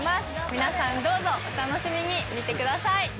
皆さんどうぞお楽しみに見てください！